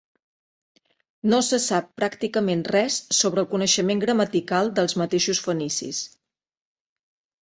No se sap pràcticament res sobre el coneixement gramatical dels mateixos fenicis.